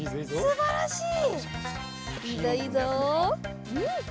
おすばらしい！